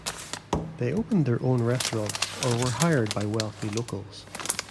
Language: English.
They opened their own restaurants or were hired by wealthy locals.